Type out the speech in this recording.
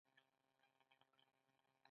غم د ژوند کومه برخه ده؟